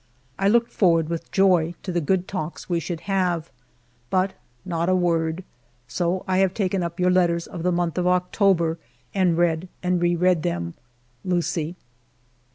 I looked forward with joy to the good talks we should have. But not a word. So I have taken up your letters ALFRED DREYFUS 235 of the month of October and read and re read them. Lucie."